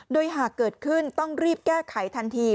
โดยหากเกิดขึ้นต้องรีบแก้ไขทันที